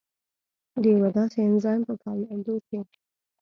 د یوه داسې انزایم په فعالېدو کې